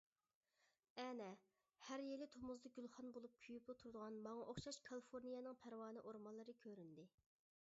ئەنە، ھەر يىلى تومۇزدا گۈلخان بولۇپ كۆيۈپلا تۇرىدىغان ماڭا ئوخشاش كالىفورنىيەنىڭ پەرۋانە ئورمانلىرى كۆرۈندى.